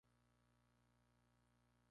Posteriormente, cometió suicidio.